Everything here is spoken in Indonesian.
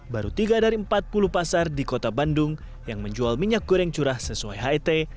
baru tiga dari empat puluh pasar di kota bandung yang menjual minyak goreng curah sesuai het